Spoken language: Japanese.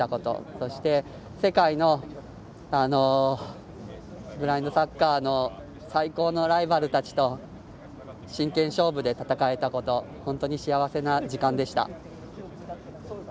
そして、世界のブラインドサッカーの最高のライバルたちと真剣勝負で戦えたこと本当に幸せな時間でした。